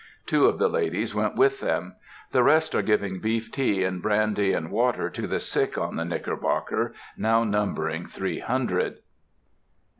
Two of the ladies went with them. The rest are giving beef tea and brandy and water to the sick on the Knickerbocker, now numbering three hundred.